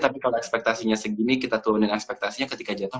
tapi kalau ekspektasinya segini kita turunin ekspektasinya ketika jatuh